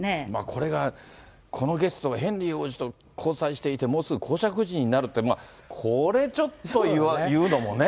これがこのゲストがヘンリー王子と交際していて、もうすぐ公爵夫人になるって、これちょっと、いうのもね。